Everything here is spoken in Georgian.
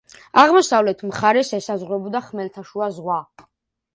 აღმოსავლეთ მხარეს ესაზღვრება ხმელთაშუა ზღვა.